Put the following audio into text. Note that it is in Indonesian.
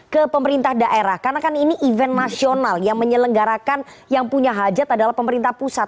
ke pemerintah daerah karena kan ini event nasional yang menyelenggarakan yang punya hajat adalah pemerintah pusat